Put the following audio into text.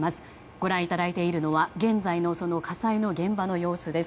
ご覧いただいているのは現在の火災の現場の様子です。